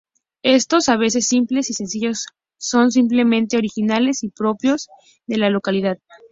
Estos, a veces simples y sencillos, son siempre originales y propios de la localidad.